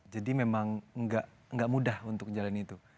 jadi memang gak mudah untuk menjalani itu